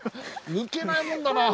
抜けないもんだなあ。